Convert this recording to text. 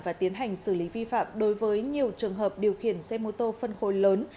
và tiến hành xử lý vi phạm đối với nhiều trường hợp điều khiển xe mô tô phân khối lớn